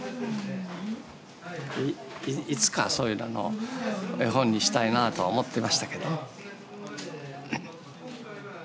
いつかそういうのの絵本にしたいなと思ってましたけど。